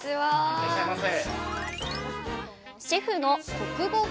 いらっしゃいませ。